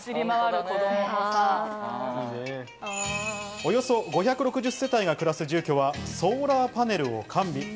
およそ５６０世帯が暮らす住居はソーラーパネルを完備。